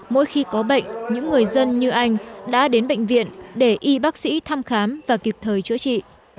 mỗi khi có bệnh những người dân như anh đã đến bệnh viện để y bác sĩ thăm khám và kịp thời chữa trị